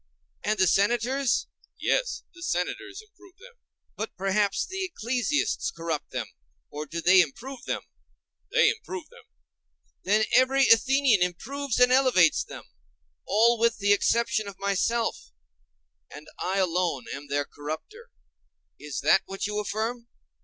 And the Senators? Yes, the Senators improve them. But perhaps the ecclesiasts corrupt them?—or do they too improve them? They improve them. Then every Athenian improves and elevates them; all with the exception of myself; and I alone am their corrupter? Is that what you affirm?